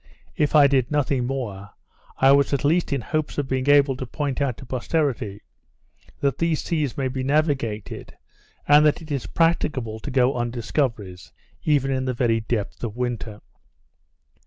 If I did nothing more, I was at least in hopes of being able to point out to posterity, that these seas may be navigated, and that it is practicable to go on discoveries; even in the very depth of winter.